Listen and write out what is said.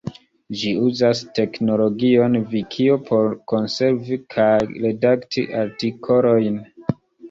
Ĝi uzas teknologion vikio por konservi kaj redakti artikolojn.